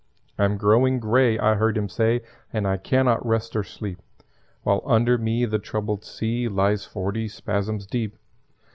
"I'm growing grey," I heard him say, "And I can not rest or sleep While under me the troubled sea Lies forty spasms deep.